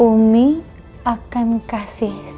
umi akan kasih seharusnya